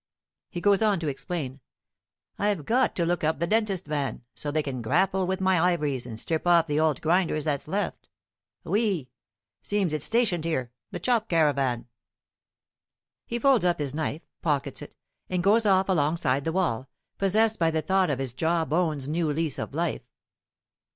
He goes on to explain: "I've got to look up the dentist van, so they can grapple with my ivories, and strip off the old grinders that's left. Oui, seems it's stationed here, the chop caravan." He folds up his knife, pockets it, and goes off alongside the wall, possessed by the thought of his jaw bones' new lease of life.